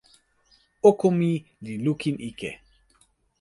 oko mi li lukin ike.